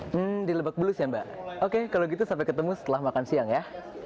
hmm dilebak belus ya mbak oke kalau gitu sampai ketemu setelah makan siang ya